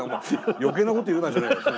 余計なこと言うなじゃないよ。